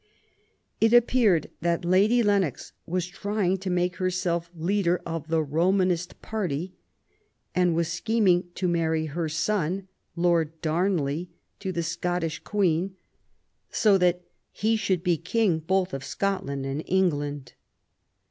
It appeared that Lady Lennox was trying to make herself leader of the Romanist party and was scheming to marry her son. Lord Darnley, to the Scottish Queen, so that "he should be King both of Scotland and England".